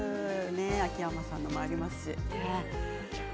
秋山さんのもありますし。